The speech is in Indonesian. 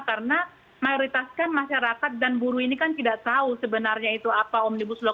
karena mayoritas kan masyarakat dan buruh ini kan tidak tahu sebenarnya itu apa omnibus law